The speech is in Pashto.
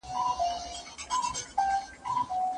که مورنۍ ژبه وي، نو د زده کړې پروسه به ساده وي.